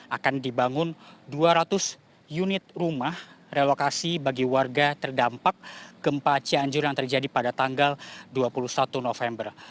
akan dibangun dua ratus unit rumah relokasi bagi warga terdampak gempa cianjur yang terjadi pada tanggal dua puluh satu november